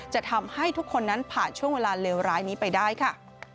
จะทำให้ทุกคนนั้นผ่านช่วงเวลาเลวร้ายนี้ไปได้ค่ะ